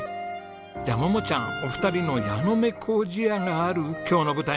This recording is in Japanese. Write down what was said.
じゃあ桃ちゃんお二人の矢ノ目糀屋がある今日の舞台のご紹介